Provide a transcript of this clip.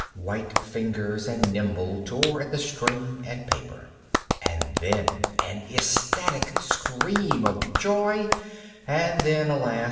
White fingers and nimble tore at the string and paper. And then an ecstatic scream of joy; and then, alas!